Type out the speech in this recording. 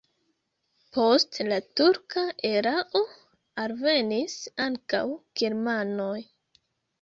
Post la turka erao alvenis ankaŭ germanoj.